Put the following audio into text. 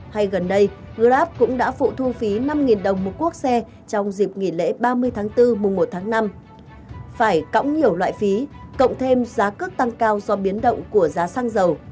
hay gần đây grab cũng đã phụ thu phí năm đồng một cuốc xe trong dịp nghỉ lễ ba mươi tháng bốn mùa một tháng năm phải cõng nhiều loại phí cộng thêm giá cước tăng cao do biến động của giá xăng dầu